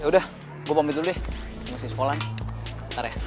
yaudah gue pamit dulu deh gue ngasih sekolah nih ntar ya